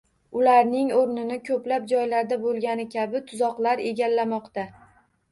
Ularning o'rnini ko'plab joylarda bo'lgani kabi tuzoqlar egallamoqda